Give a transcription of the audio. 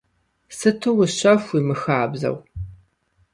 Сыту ущэху, уимыхабзэу.